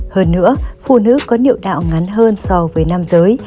hơn nữa phụ nữ có điệu đạo ngắn hơn so với nam giới